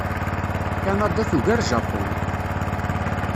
Kanada tugar Japun.